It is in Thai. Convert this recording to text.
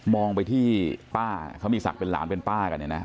ไปที่ป้าเขามีศักดิ์เป็นหลานเป็นป้ากันเนี่ยนะ